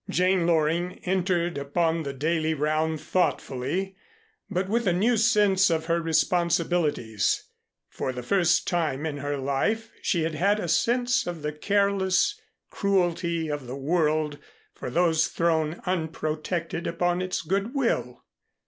Jane Loring entered upon the daily round thoughtfully, but with a new sense of her responsibilities. For the first time in her life she had had a sense of the careless cruelty of the world for those thrown unprotected upon its good will.